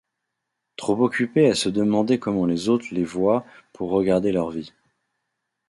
Trop occupés à se demander comment les autres les voient pour regarder leur vie.